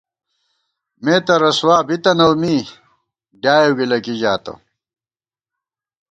مےتہ رسوا بی تنَؤ می ، ڈیائېؤ گِلہ کی ژاتہ